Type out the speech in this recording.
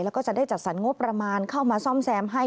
แล้วก็จะได้จัดสรรงบประมาณเข้ามาซ่อมแซมให้